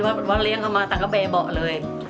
รักเค้ามาตามค้าไปบอกเลย